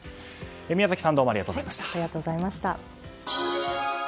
宮崎さん、どうもありがとうございました。